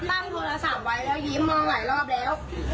รหัสมันเป็นข้อมูลส่วนตัวบอกค่ะอ่าเดี๋ยวเข้ามาในนี้เดี๋ยว